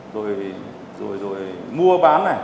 rồi mua bán này